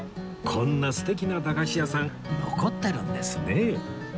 こんな素敵な駄菓子屋さん残ってるんですね